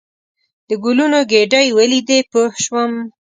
د ګلونو ګېدۍ ولیدې پوه شوم.